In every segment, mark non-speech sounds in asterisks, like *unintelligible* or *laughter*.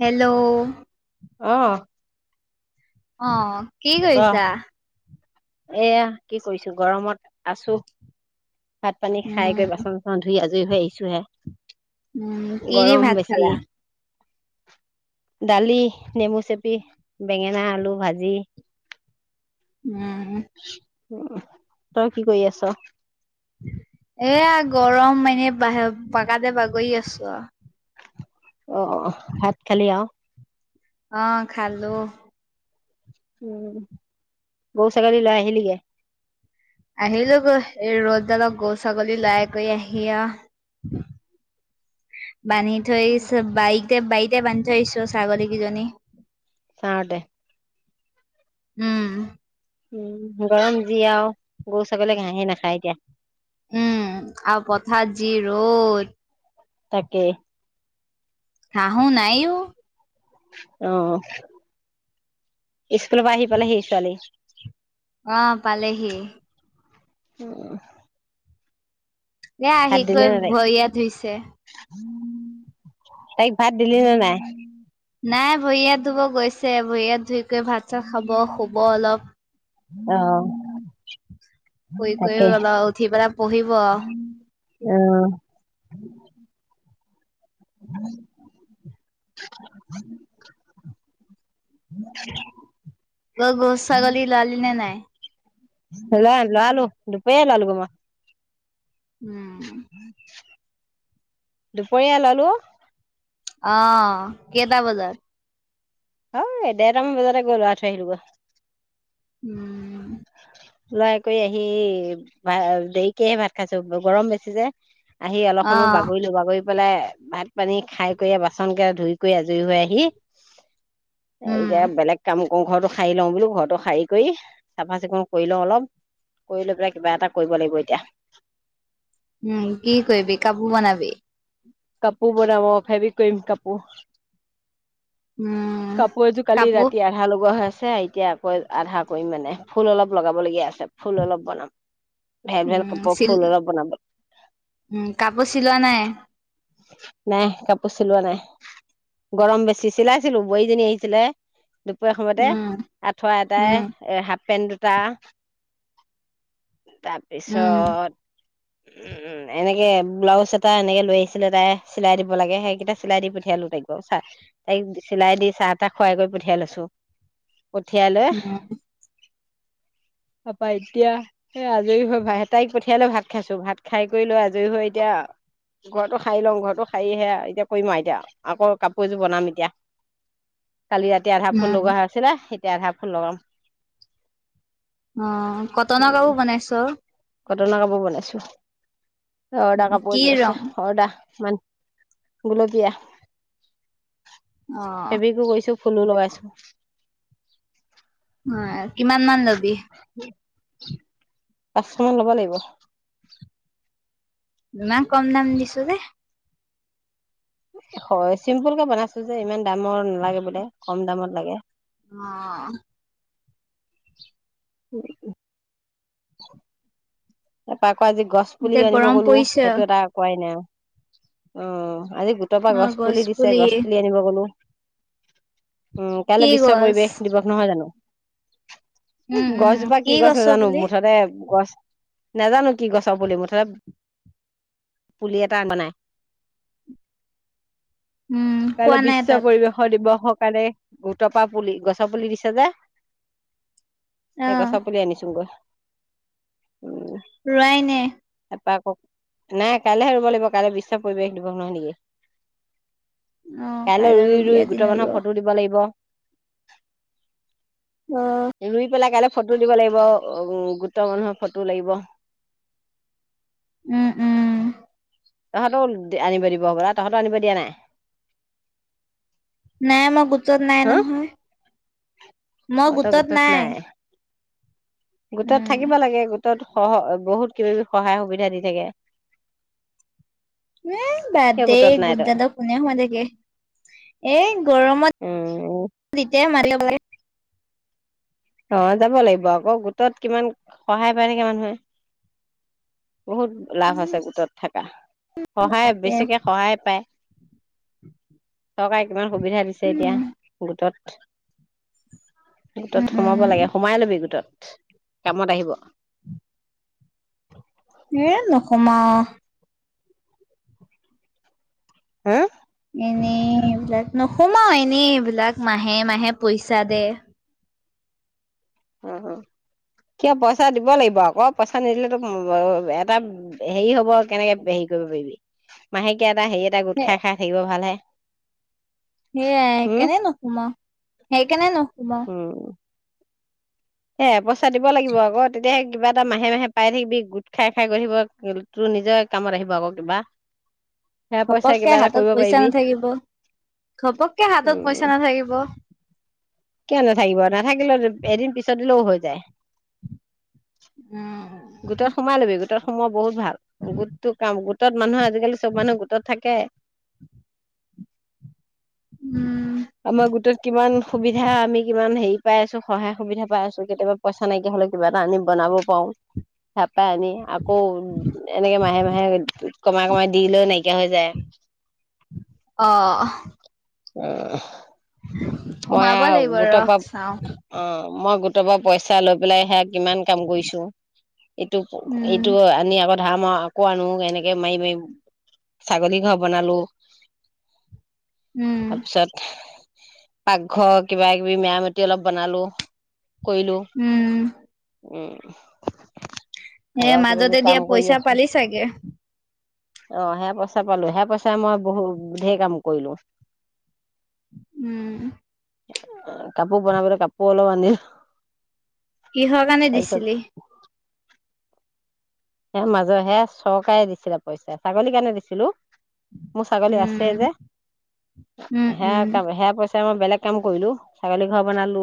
Hello অ- অ কি কৰিছা? এয়া, কি কৰিছো গৰমত আছো। ভাত পানী খাই উম গৈ বাচন চাচন ধুই আজ ফ্ৰি হৈ আহিছো হে। উম, কি দি ভাত খালাঁ? দালি, নেমু চেপি, বেঙেনা আলু ভাজি। উম *inaudible* তই কি কৰি আছ? এয়া গৰম এনে বা পাকাতে বাগৰি আছো আৰু। অ অ ভাত খালি অ। অ খালোঁ। উম গৰু ছাগলী লৈ আহিলি গৈ? আহিলো গৈয় এই ৰ'দ দালত গৰু ছাগলী লৈ কৰি আহি আ।। বান্ধি থৈ আহিচো বাৰিত। একে বাৰীতে বান্ধি থৈ আহিছো ছাগলীকেইজনী। বাৰু দে। উম। উম গৰম যি আৰু গৰু ছাগলী ঘাঁহে নাখায় এতিয়া। উম আৰু পথাৰ যি ৰ'দ। তাকে। ঘাহোঁ নাই ও।। অহ। স্কুলৰ পৰা আহি পালেহি ছোৱালী? অ, পালেহি। উম। এতিয়া আহি কৰি তাইক ভৰি হাত ধুইছে। তাইক ভাত দিলি নে নাই? নাই ভৰি হাত ধুব গৈছ ছে ভৰি হাত ধুই কে ভাত চাত খাব শুব অলপ। অ। শুই কৰি তাকে অলপ উঠি পেলাই পঢ়িব। অঁহ। *inaudible* তই গৰু ছাগলী লৱালি নে নাই? লৱাই লৱালো দুপৰীয়াই লৱালো গৈ মই। উম। দুপৰীয়া লৱালো। অহ কেইটা বজাত? হয় ডেৰটামান বজাতে গৈ লৰাই থৈ আহিলো গৈ। উম। লৰা কৰি আহি ভ দেৰিকেহে ভাত খাইছো গৰম বেছি যে। আহি অলপ সময় আহ বাগৰি লো বাগৰি পেলাই ভাত পানী খাই কৰি বাচন কেইটা ধুই কৰি আজৰি হৈ আহি এই উম বেলেগ কাম অ ঘৰটো খাই লওঁ বোলো ঘৰৰতটো খাই কৰি। চাফা চিকুণ কৰি লওঁ অলপ কৰি লৈ পেলাই কিবা এটা কৰিব লাগিব এতিয়া। সেইটোৱে। *unintelligible* উম কাপোৰ এযোৰ কালি কাপোৰ ৰাতি আধা লগোৱা হৈ আছে। আছে এতিয়া আকৌ আধা কৰিম মানে ফুল অলপ লগাবলগীয়া আছে। আ ফুল অলপ বনাম ভেল ভেল উম কাপোৰ চিল ফুল অলপ বনাব উম কাপোৰ চিলোৱা নাই নাই কাপোৰ চিলোৱা নাই গৰম বেছি চিলাইছিলো বোৱাৰী জনী আহিছিলে। দুপৰীয়া সময়তে উম আঠুৱাটাই উম এ হাফ পেণ্ট। তা। উম তাৰপিছত। উ উম এনেকে ব্লাউজ এটা এনেকে লৈ আহিছে। আছিলে তাই চিলাই দিব লাগে সেইকেইটা চিলাই দি পঠিয়ালো তাইক ব চাহ তাইক চিলাই দি চাহ তাহ খুৱাই কৰি পঠিয়াই লৈছো। পঠিয়ালৈ উম তাৰপা এতিয়া সেই আজৰি হৈ তাইক পঠিয়াই লৈ ভাত খাইছো ভাত খাই কৰি লৈ আজৰি হৈ এতিয়া ঘৰটো সাৰি লওঁ ঘৰটো সাৰিহে এতিয়া কৰিম আৰু এতিয়া আকৌ কাপোৰ এযোৰ বনাম এতিয়া। কালি ৰাতি আধা ফুল উম লগোৱা হৈছিলে এতিয়া আধা ফুল লগাম। অ কটনৰ কাপোৰ বনাইছ? কতনৰ কাপোৰ বনাইছো। অৰ্ডাৰ কাপোৰ কি এযোৰ আছে ৰং অৰ্ডাৰ। মান গোলপীয়া। অ হেবিকো কৈছো। ফুলো লগাইছো। হয়। কিমান মান লবি? *unintelligible* পাঁচশ মান ল'ব লাগিব। ইমান কম দাম দিছ যে। হয় চিম্পুল কে বনাইছো যে ইমান দামৰ নালাগে বোলে কম দামত লাগে। অ। উ *unintelligible* তাৰ পৰা। অকৌ আজি গছ পুলি এতিয়া আনিব গৰম গলো, পৰিছে অ সেইটো এটা কোৱাই নাই আৰু। অ'। আজি গোটৰ পৰা গছ পুলি দিছে, গছ পুলি আনিব গলো। উম কি কাইলৈ বিশ্ব গছ পৰিৱেশ দিৱস নহয় জানো? এই উম উম গছজোপা কি গছ গছৰ নাজানো, পুলি মুঠতে গছ। নাজানো কি গছৰ পুলি, মুঠতে পুলি এটা বনাই। উম কোৱা কাইলৈ নাই বিশ্ব তাত পৰিবেশৰ দিৱসক পাৰে, গোটৰপা পুলি গছ পুলি দিছে যে অ এই গছৰ পুলি আনিছোগৈ। উম। ৰোৱাই নাই। নাই কাইলেহে ৰুব লাগিব। কাইলৈ বিশ্বাস পৰিৱেশ দৱস নহয় নেকি? অ কাইলৈ ৰুই ৰুবি ৰুই আজি গোট নৰুৱ মানুহক ফটো দিব লাগিব অ'। বিলাক কাইলৈ ফটো দিব লাগিব। গোটৰ মানুহৰ ফটো লাগিব। উম, উম তহঁতও আনিব দিব হবলা, তহঁতৰো আনিব দিয়া নাই? নাই মই গোটত নাই হা নহয়। মই গোটত নাই। গোটত উম থাকিব লাগে গোটত সহ বহুত কিব কিবি সহায় সুবিধা দি থাকে। এই কিয় বাদদে, গোটত নাই তই গোটদালত কোনে সোমাই থাকে। এ গৰমত, উম তেতিয়াই মা *unintelligible* অ', যাব লাগিব আকৌ? গোটত কিমান সহায় পায় নেকি মানুহে। বহুত লাভ আছে গোটত থকা, সহায় তাতে বেছিকে সহায় পায়। চৰকাৰে কিমান সুবিধা দিছে এতিয়া উম গোটত। গোটত উম উম সে সোমায় লবি গোটত, কামত আহিব। এ নোসোমাও হা এনেই এইবিলাক, নোসোমাও এনেই এইবিলাক মাহে মাহে পইচা দে অ', অ', কিয় পইচা দিব লাগিব আকৌ, পইচা নিদিলে তোক এটা হেৰি হব কেনেকে হেৰি কৰিব পাৰিবি, মাহেকীয়া এটা হেৰি এটা গোট খাই খাই থাকিব ভাল হে। সেইয়াই সেইকাৰণে নোসোমাওঁ সেইকাৰণে নোসোমাওঁ। সে এবচ পইচা দিব লাগিব আকৌ তেতিয়াহে কিবা এটা মাহে মাহে পাই থাকিবি গোট খাই খাই গৈ তোৰ নিজৰ কামত আহিব আকৌ কিবা। সেয়া পইচা ঘপককে কিবা এটা হাতত কৰিব পইচা পাৰিবি নাথাকিব, ঘপককে হাতত উম পইচা নাথাকিব। কিয় নাথাকিব নাথাকিলে এদিন পিছত দিলেও হয়। যায়। উম। গোটত সোমাই ল'বি। সময়ত *unintelligible* বহুত ভাল গোটটো কাম গোট *unintelligible* মানুহ আজিকালি চব মানুহ গোটত থাকে উম আমাৰ গোটত কিমান সুবিধা আমি কিমান হেৰি পাই আছো সহায় সুবিধা পাই আছো কেতিয়াবা পইচা নাইকিয়া হ'লে কিবা এটা আমি বনাব পাৰো। *inaudible* চাপা ন আকৌ এনেকে মাহে মাহে কমাই কমাই দি লৈ *inaudible* নাইকিয়া হৈ যায় আহ উম মই সোমাব লাগিব গোটৰ ৰখ পৰা চাও উম মই গোট গোটৰ পৰা পইচা লৈ বেলাই সেয়া কিমান কাম কৰিছোঁ। এইটো উম। এইটো আনি আগত ধাৰ মাৰো আকৌ আনো এনেকে মাৰি মাৰি ছাগলী ঘৰ বনালো। উম তাৰপিছত উ পাকঘৰ কিবা কিবি মেৰামতি অলপ বনালো কৰিলোঁ উম উম। *unintelligible* এ ঘৰৰ কিবা কিবি মাজতে কাম দিয়া কৰি পইচা আছো পালি চাগে। অ সেই পইচা পালো সেই পইচাৰে মই বহুত ঢেৰ কাম কৰিলো। উম কা *inaudible* প পন পৰে কাপ অ্লো আন্দ *unintelligible* কিহৰ কাৰণে দিছিলি। হে মাজৰ হে চৰকাৰে দিছিলে পইচা ছাগলী কাৰণে দিছিলো। মোৰ ছাগলী আছেএ উম যে উম উম। হেয়া কাম হেয়া পইচা ত মই বেলেগ কাম কৰিলো ছাগলী ঘৰ বনালো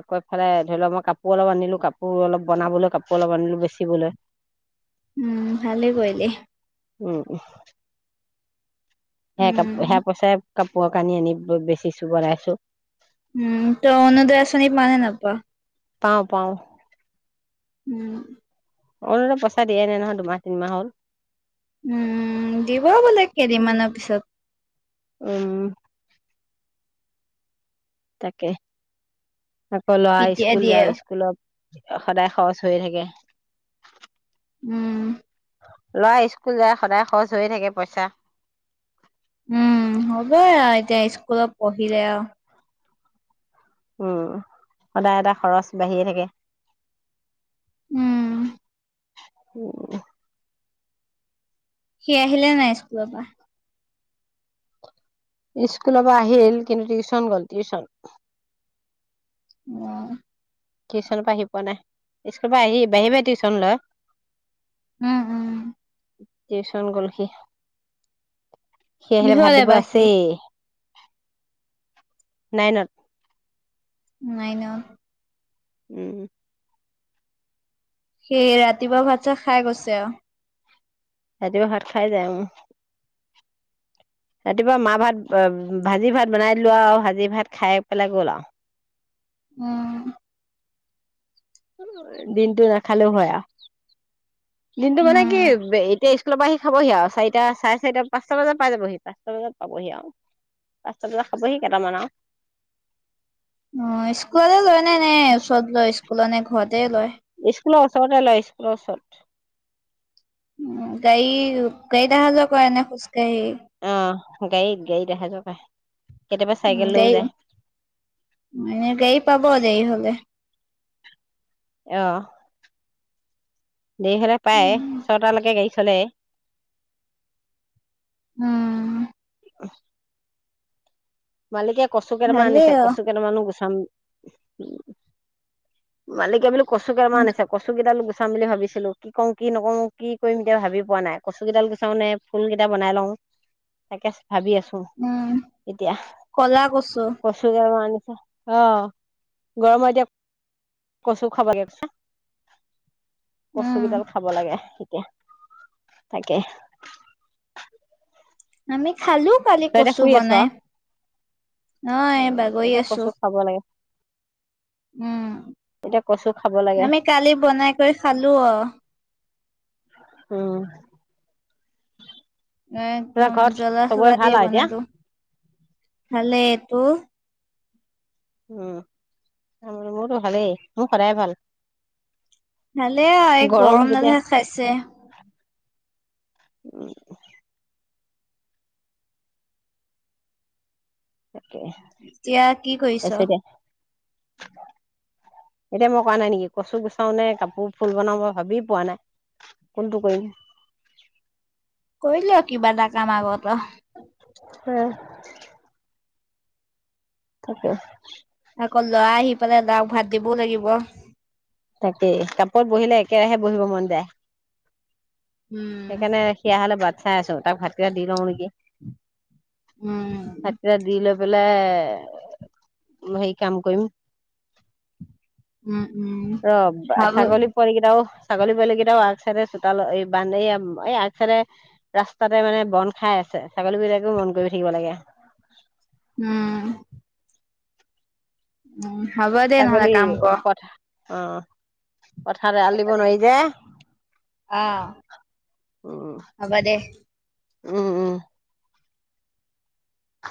আঁক এফালে ধৰি লওক মই কাপোৰ অলপ আনিলো কাপোৰ অলপ বনাবলৈ কাপোৰ অলপ আনিলো বেচিবলৈ উম ভালে কৰিলি উম উহ হে কাপ উম হে পইচাৰে কাপোৰ কানি আনি বেচিছো বনাইছো উম ত অৰুণুদয় আছনি পাঅনে নাপা পাওঁ পাওঁ। উম। অৰুণদয় পইচা দিয়াই নাই নহয় দুমাহ তিনিমাহ হ'ল। উম দিব বোলে কেইদিনমানৰ পিছত। উম। তাকে। আকৌ লৰা কেতিয়া স্কুল দিয়ে। যায় স্কুলত সদায় খৰচ হৈ থাকে। উম। লৰা স্কুল যায়, সদায় খৰচ হৈয়ে থাকে পইচা। উম, হ'বই আও এতিয়া স্কুলত পঢ়িলে আও। উম, সদায় এটা খৰচ বাঢ়িয়ে থাকে। উম। উম। সি আহিলে নাই স্কুলৰ পৰা? স্কুলৰ পৰা আহিল, কিন্তু টিউচন গল টিউচন। অঁ। টিউশচনৰ পৰা আহি পোৱা নাই, স্কুলৰ পৰা আহি বাহিয়ে বাহিয়ে টিউশচন লয়। উম, উম। টিউচন গল সি। সি আহিলে কিহত ভাত দিব এইবাৰ সি? আছেই। নাইনত। নাইনট। উম। সি ৰাতিপুৱা ভাত-চাত খাই গৈছে আও। ৰাতিপুৱা ভাত খাই যাই উম, ৰাতিপুৱা মা ভাত ভাজি ভাত বনাই দিলোঁ আও ভাজি ভাত খাই পেলাই গল আও। উম। দিনটো নাখালেও হয় আও। দিনটো মানে কি উম। এতিয়া ইস্ক স্কুলপা আহি খাবহি আও, চাৰিটা চাৰে চাৰিটা পাঁচটা বজাত পাই যাবহি, পাঁচটা বজাত পাবহি আও। পাঁচটা বজাত খাবহি কেইটামান আও। অ স্কুললে, *unintelligible* নে ওচৰত যোৱা স্কুল। সুলনে ঘৰতে লয়। স্কুলৰ ওচৰত এ লয় স্কুলৰ ওচৰত। উ গাড়ী গাড়ীত অহা যোৱা কৰে নে খোজ কাঢ়ি। অ গাৰিত গাৰিত আহা যোৱা কৰে। কেতিয়াবা চাইকেল লৈও *unintelligible* যায় এনে গাড়ী পাব দেৰি হলে অঁহ দেৰি হ'লে পায় ছটালৈকে গাড়ী খালে উম উমহ মালিকে *inaudible* কচু কেইটামান ভালেই আনিছে আৰু। কচু কেইটামানো *inaudible* *unintelligible* মালিকে কচু কেইটামান আনিছে কচু কেইডালো *inaudible* চাম বুলি ভাবিছিলো কি কওঁ কি নকওঁ কি কৰিম এতিয়া ভাবি পোৱা নাই। ‌কচু কেইডাল গুচাও নে ফুল কেইটা বনাই লওঁ তাকে ভাবি আছো উম *inaudible* কচু *inaudible* অঁ গৰমত এতিয়া কচু খা *inaudible* কচু উম কেইডাল খাব লাগে *inaudible* তাকে আমি *inaudible* খালো কালি তই এতিয়া কচু শুই আছ বনাই, ও এই উম, বাগৰি এতিয়া আছো। কচু খাব লাগে, এতিয়া কচু খাব উম লাগে, আমি কালি বনাই কৰি খালো আৰু উম তোমাৰ একদম ঘৰত জ্বলা চবৰে চলা দি ভাল আৰু এতিয়া? বনালো। ভালে টো উম মোৰটো ভালেই মোৰ সদায় ভাল ভালে আৰ এই গৰম দালে খাইছে উম তাকে এতিয়া কি তাৰপিছত কৰিছ? এতিয়া, এতিয়া মই কোৱা নাই নেকি কচু গুচাও নে কাপোৰ ফুল বনাওঁ মই ভাবি পোৱা নাই কোনটো কৰিম। কৰি ল কিবা এটা কাম আগ তে হম তাকে কৌ লৰা আহি পালে লৰাক ভাত দিবও লাগিব তাকেই কাপোৰত বহিলে একেৰাহে বহিব মন যায়। উম সেইকাৰণে সি আহালে বাত চাই আছো তাক ভাতকেইটা দি লওঁ নেকি উম ভাতকেইটা দি লবি বোলে হেৰি কাম কৰিম। উম, উম ৰ হ'ব ছাগলী পোৱালী কেইটাও। ছাগলী পোৱালীকেইটাও আগ চাইডে চোতালত এই বাউন এই আগ চাইডে ৰাস্তাতে মানে বন খাই আছে, ছাগলী বিলাকেও মন কৰি থাকিব লাগে। উম। উম হ'ব দে নহ'লে ছাগলী কাম কৰ। পথা অ। পথাৰত এৰাল দিব নোৱাৰি জে। আহ উম হব দে উম উম উ